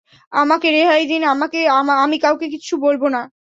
আমাকে রেহাই দিন, আমি কাউকে কিচ্ছু বলবো না।